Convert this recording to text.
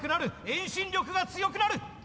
遠心力が強くなる！